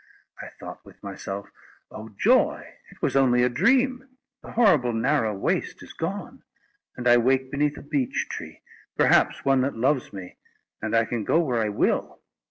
I thought with myself, "Oh, joy! it was only a dream; the horrible narrow waste is gone, and I wake beneath a beech tree, perhaps one that loves me, and I can go where I will."